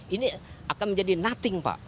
ini akan menjadi nothing pak